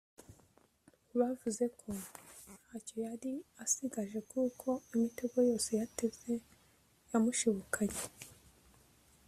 Bavuze ko ntacyo yari asigaje kuko imitego yose yateze yamushibukanye